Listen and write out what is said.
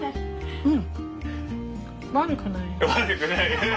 うん。